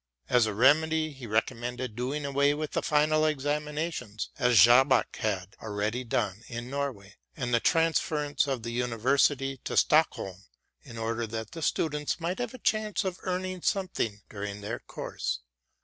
As a remedy he recommended doing away with the final examination as Jaabaek had already done in Norway, and the transference of the university to Stockholm in order that the students might have a chance of earning something during their course.